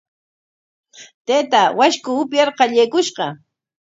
Taytaa washku upyar qallaykushqa.